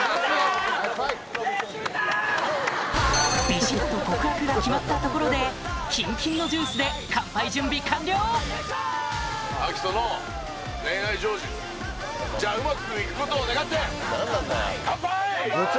ビシっと告白が決まったところでキンキンのジュースでカンパイ‼